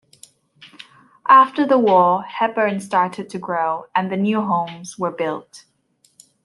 After the war, Hepburn started to grow, and new homes were built.